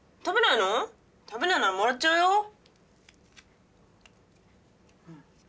食べないならもらっちゃうよ？